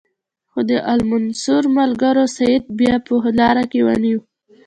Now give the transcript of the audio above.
خو د المنصور ملګرو سید بیا په لاره کې ونیو.